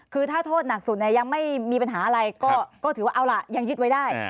คือถ้าโทษหนักสุดยังไม่มีปัญหาอะไรก็ถือว่าเอาล่ะยังยึดไว้ได้